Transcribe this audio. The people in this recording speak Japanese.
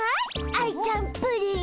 アイちゃんプリン！